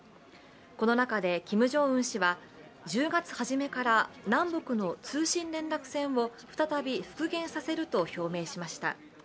この中でキム・ジョンウン氏は１０月初めから南北の通信連絡線を再び復元させると表明しました。